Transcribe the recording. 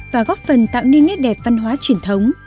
và góp phần tạo nên nét đẹp văn hóa truyền thống